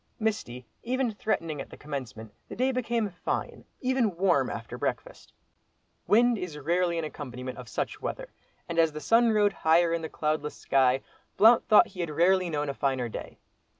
Misty, even threatening, at the commencement, the day became fine, even warm, after breakfast. Wind is rarely an accompaniment of such weather, and as the sun rode higher in the cloudless sky, Blount thought he had rarely known a finer day.